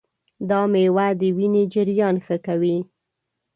دا مېوه د وینې جریان ښه کوي.